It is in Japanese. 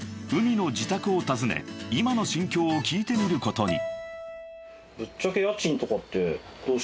ＵＭＩの自宅を訪ね今の心境を聞いてみることに］